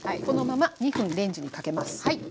このまま２分レンジにかけます。